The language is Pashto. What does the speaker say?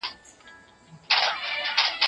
په لاس لیکلنه د ټولني د پرمختګ څرخ ګرځوي.